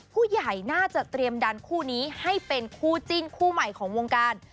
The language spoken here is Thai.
ผู้ใหญ่น่าจะเตรียมดันคู่นี้ให้เป็นคู่จิ้นคู่ใหม่ของวงการ